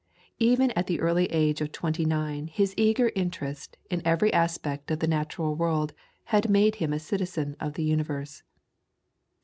Even at the early age of twenty nine his eager interest in every aspect of the natural world had made him a citizen of the universe.